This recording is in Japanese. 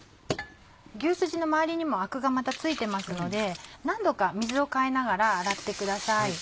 牛すじの周りにもアクが付いてますので何度か水を替えながら洗ってください。